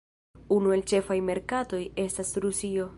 Unu el ĉefaj merkatoj estas Rusio.